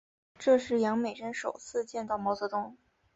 这是杨美真首次见到毛泽东。